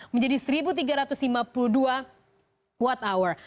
menjadi satu tiga ratus lima puluh dua watt hour